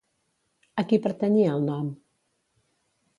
A qui pertanyia el nom?